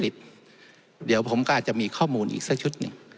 เดี๋ยวผมก็อาจจะมีข้อมูลอีกสักชุดหนึ่ง